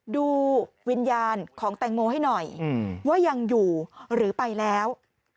ดูวิญญาณของแตงโมให้หน่อยว่ายังอยู่หรือไปแล้ว